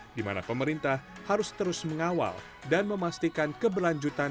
di mana pemerintah harus terus mengawal dan memastikan keberlanjutan